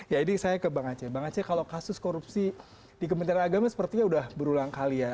ya ini saya ke bang aceh bang aceh kalau kasus korupsi di kementerian agama sepertinya sudah berulang kali ya